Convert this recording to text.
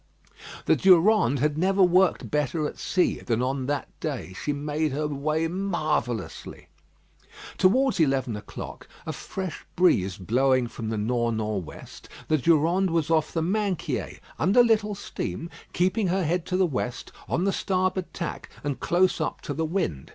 The Durande had never worked better at sea than on that day. She made her way marvellously. Towards eleven o'clock, a fresh breeze blowing from the nor' nor' west, the Durande was off the Minquiers, under little steam, keeping her head to the west, on the starboard tack, and close up to the wind.